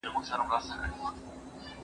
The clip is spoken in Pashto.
ما د خپلې خور په تندي د مینې نښه کېښوده.